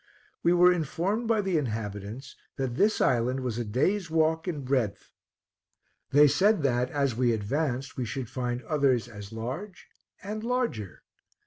We were in formed by the inhabitants, that this island was a day's walk in breadth. They said, that, as we advanced, we should find others as large and larger.